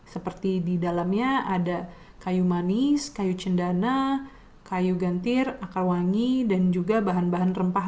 seperti di dalamnya ada kayu manis kayu cendana kayu gantir akar wangi dan juga bahan bahan rempah